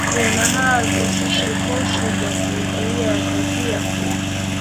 kuna hawa vikosi vya kuzuia ghasia ffu